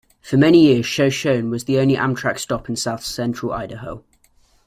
For many years, Shoshone was the only Amtrak stop in south central Idaho.